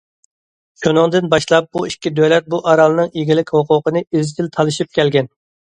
شۇنىڭدىن باشلاپ، بۇ ئىككى دۆلەت بۇ ئارالنىڭ ئىگىلىك ھوقۇقىنى ئىزچىل تالىشىپ كەلگەن.